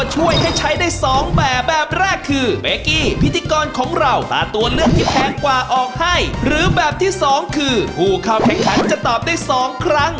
หรือแบบที่สองคือผู้เข้าแข่งขัดจะตอบได้๒ครั้ง